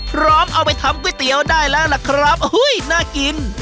เอาไปทำก๋วยเตี๋ยวได้แล้วล่ะครับน่ากิน